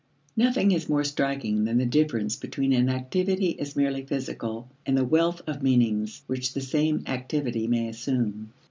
Nothing is more striking than the difference between an activity as merely physical and the wealth of meanings which the same activity may assume.